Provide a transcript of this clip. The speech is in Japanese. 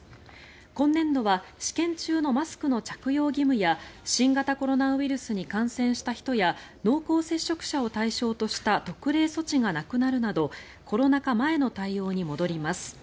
今年度は試験中のマスクの着用義務や新型コロナウイルスに感染した人や濃厚接触者を対象とした特例措置がなくなるなどコロナ禍前の対応に戻ります。